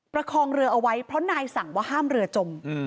ประคองเรือเอาไว้เพราะนายสั่งว่าห้ามเรือจม